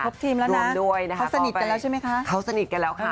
ทีมแล้วนะเขาสนิทกันแล้วใช่ไหมคะเขาสนิทกันแล้วค่ะ